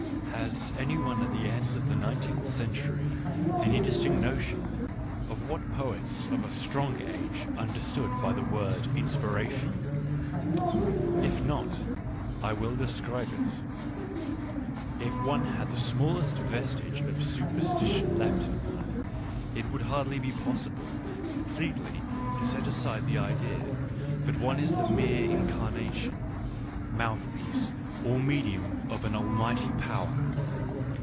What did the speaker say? Ha)s any one at the end of the nineteenth century any distinct notion of what poets of a stronger age understood by the word inspiration ? If not, I will describe it. I f one had tnesmallest vestige of super stition left in one, it would hardly be possible com pletely to set aside the idea that one is the mere Digitized by Google I { 1 02 ECCE HOMO incarnation, mouthpiece, or medium of an almighty power.